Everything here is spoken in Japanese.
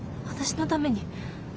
私のために？